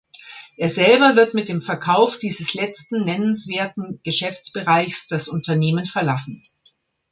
Er selber wird mit dem Verkauf dieses letzten nennenswerten Geschäftsbereichs das Unternehmen verlassen.